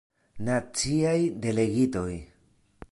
Naciaj Delegitoj.